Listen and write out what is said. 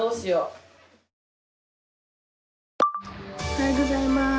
おはようございます。